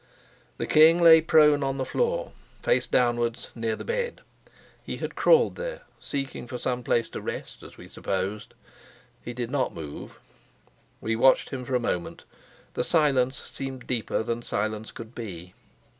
The king lay prone on the floor, face downwards, near the bed. He had crawled there, seeking for some place to rest, as we supposed. He did not move. We watched him for a moment; the silence seemed deeper than silence could be.